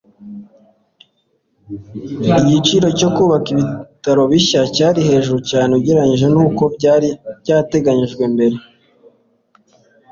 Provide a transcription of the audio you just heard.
Igiciro cyo kubaka ibitaro bishya cyari hejuru cyane ugereranije nuko byari byateganijwe mbere